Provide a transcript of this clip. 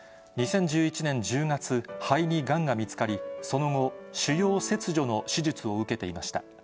２０１１年１０月、肺にがんが見つかり、その後、腫瘍切除の手術を受けていました。